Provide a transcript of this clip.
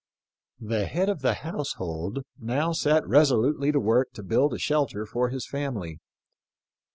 The head of the household now set resolutely to work to build a shelter for his family.